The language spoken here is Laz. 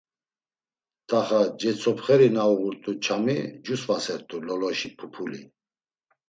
T̆axa cetzopxeri na uğurt̆u ç̌ami cusvasert̆u Loloşi pupuli.